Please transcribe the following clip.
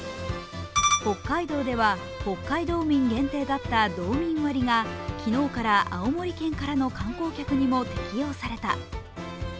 北海道では北海道民限定だったどうみん割が昨日から青森県からの観光客にも適用された。